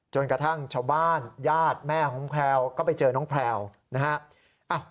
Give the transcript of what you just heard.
จนกระทั่งชาวบ้านญาติแม่ของแพลวก็ไปเจอน้องแพลวนะฮะ